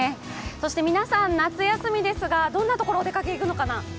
そして皆さん、夏休みですが、どんなところお出かけいくのかな？